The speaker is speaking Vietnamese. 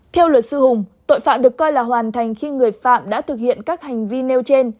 theo luật sư hùng tội phạm được coi là hoàn thành khi người phạm đã thực hiện các hành vi nêu trên